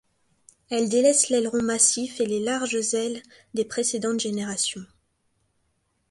Elle délaisse l'aileron massif et les larges ailes des précédentes générations.